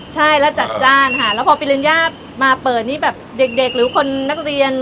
ใช่แล้วจัดจ้านค่ะแล้วพอปริญญามาเปิดนี่แบบเด็กหรือคนนักเรียน